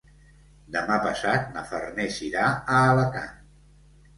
Demà passat na Farners irà a Alacant.